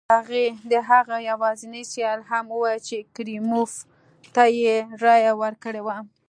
حتی د هغه یوازیني سیال هم وویل چې کریموف ته یې رایه ورکړې وه.